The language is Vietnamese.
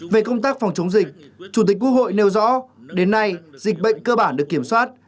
về công tác phòng chống dịch chủ tịch quốc hội nêu rõ đến nay dịch bệnh cơ bản được kiểm soát